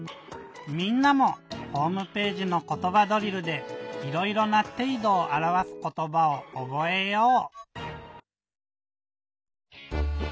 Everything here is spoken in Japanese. みんなもホームページの「ことばドリル」でいろいろな「ていどをあらわすことば」をおぼえよう！